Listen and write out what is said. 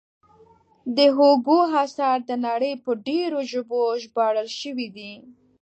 د هوګو اثار د نړۍ په ډېرو ژبو ژباړل شوي دي.